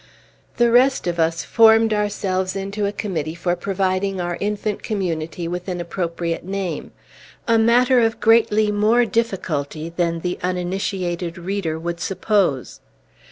The rest of us formed ourselves into a committee for providing our infant community with an appropriate name, a matter of greatly more difficulty than the uninitiated reader would suppose.